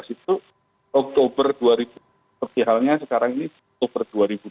dua ribu empat belas itu oktober dua ribu dua belas seperti halnya sekarang ini oktober dua ribu dua belas